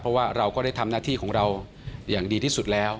เพราะว่าเราก็ได้ทำหน้าที่ของเราอย่างดีที่สุดแล้ว